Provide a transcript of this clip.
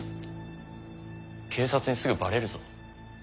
警察にすぐバレるぞ。